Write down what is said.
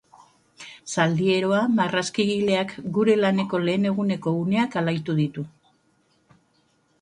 Zaldieroa marrazkigileak gure laneko lehen eguneko uneak alaitu ditu.